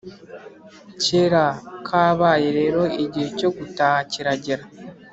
kera kabaye rero igihe cyo gutaha kiragera.